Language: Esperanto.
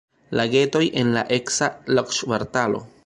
Lagetoj en la eksa loĝkvartalo.